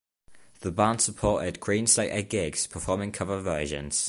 The band supported Greenslade at gigs, performing cover versions.